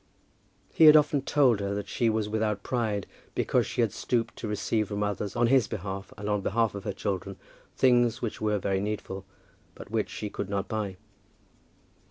He had often told her that she was without pride, because she had stooped to receive from others, on his behalf and on behalf of her children, things which were very needful, but which she could not buy.